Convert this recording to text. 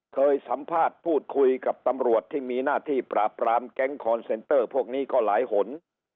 เคยสัมภาษณ์พูดคุยกับตำรวจที่มีหน้าที่ปราบปรามแก๊งคอนเซนเตอร์พวกนี้ก็หลายหน